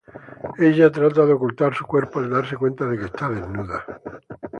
Ella trata de ocultar su cuerpo al darse cuenta de que está desnuda.